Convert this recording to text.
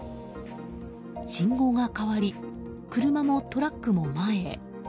信号が変わり車もトラックも前へ。